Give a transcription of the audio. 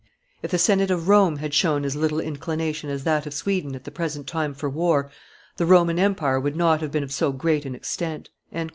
If the Senate of Rome had shown as little inclination as that of Sweden at the present time for war, the Roman empire would not have been of so great an extent."